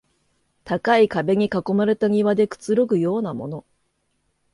高い壁に囲まれた庭でくつろぐようなもの